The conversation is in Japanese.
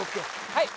はい！